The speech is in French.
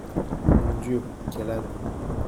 Mon Dieu ! quel âne !…